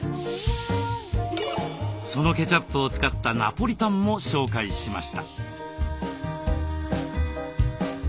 そのケチャップを使ったナポリタンも紹介しました。